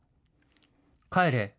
帰れ。